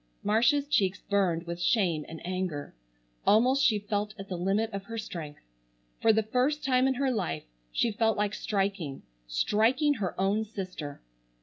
Marcia's cheeks burned with shame and anger. Almost she felt at the limit of her strength. For the first time in her life she felt like striking,—striking her own sister.